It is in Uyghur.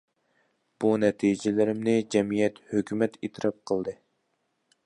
بۇ نەتىجىلىرىمنى جەمئىيەت، ھۆكۈمەت ئېتىراپ قىلدى.